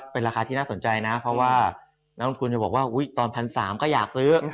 เป็นราคาที่น่าสนใจเพราะว่าน้องคุณเป็นตอนบาท๑๓๐๐ก็อยากซื้อ